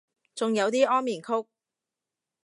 仲有啲安眠曲